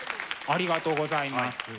ありがとうございます。